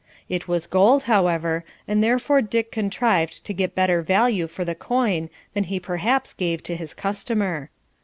It was gold, however, and therefore Dick contrived to get better value for the coin than he perhaps gave to his customer.